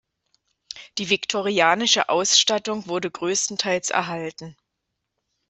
Die viktorianische Ausstattung wurde größtenteils erhalten.